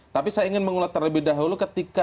tapi saya ingin mengulat terlebih dahulu ketika